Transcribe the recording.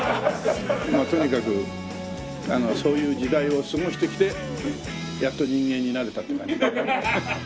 まあとにかくそういう時代を過ごしてきてやっと人間になれたって感じ。